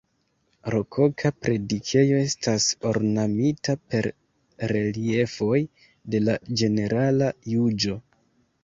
Rokoka predikejo estas ornamita per reliefoj de la Ĝenerala Juĝo.